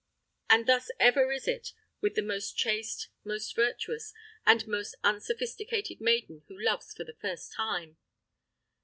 And thus ever is it with the most chaste, most virtuous, and most unsophisticated maiden, who loves for the first time!